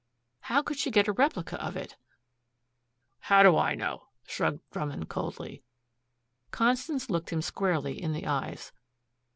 "How could she get a replica of it?" "How do I know?" shrugged Drummond coldly. Constance looked him squarely in the eyes.